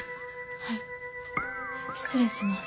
はい失礼します。